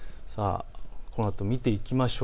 このあと見ていきましょう。